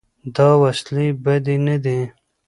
دا وسیلې بدې نه دي.